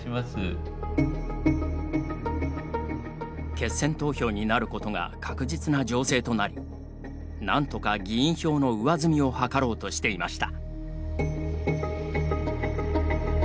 決選投票になることが確実な情勢となりなんとか議員票の上積みを図ろうとしていました。